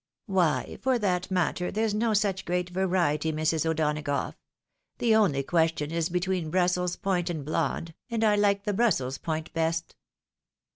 " Why, for that matter, there's no such great variety, Mrs. O'Donagough. The only question is between Brussels point and blonde, and I Uke the Brussels point best."